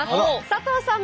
佐藤さん